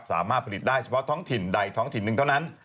สามารถผลิตได้เฉพาะท้องถิ่นใดท้องถิ่นหนึ่งเท่านั้น